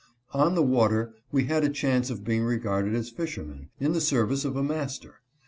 On the water we had a chance of being regarded as fishermen, in the service of a master.